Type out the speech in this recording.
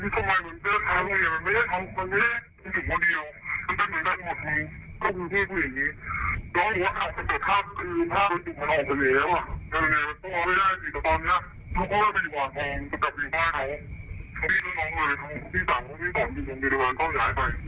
ตอนนี้ทุกคนจะไปถือหวานคอมจะกลับถือหวานเข้าที่น้องเลยทั้งที่สามที่สองที่ถือหวานต้องย้ายไป